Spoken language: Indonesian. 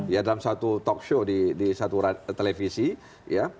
ya dalam satu talkshow di satu televisi ya